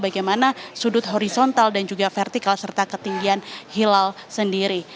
bagaimana sudut horizontal dan juga vertikal serta ketinggian hilal sendiri